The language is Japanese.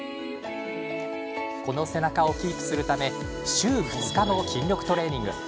この背中をキープするため週２日の筋力トレーニング